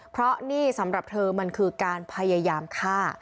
เพราะนี่สำหรับเธอมันคือการพยายามฆ่า